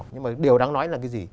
nhưng mà điều đáng nói là cái gì